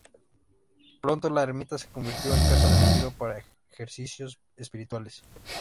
Pronto, la ermita se convirtió en casa de retiro para ejercicios espirituales.